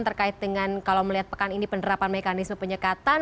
terkait dengan kalau melihat pekan ini penerapan mekanisme penyekatan